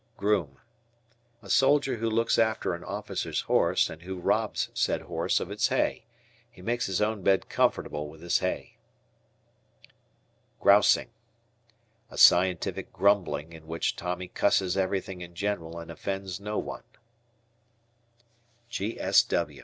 Groom. A soldier who looks after an officer's horse and who robs said horse of its hay. He makes his own bed comfortable with this hay. Grousing. A scientific grumbling in which Tommy cusses everything in general and offends no one.